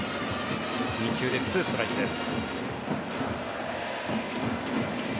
２球で２ストライクです。